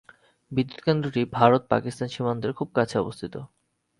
বিদ্যুৎ কেন্দ্রটি ভভারত-পাকিস্তান সীমান্তের খুব কাছে অবস্থিত।